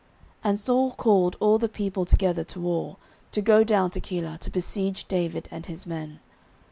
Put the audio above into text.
09:023:008 And Saul called all the people together to war, to go down to Keilah, to besiege David and his men.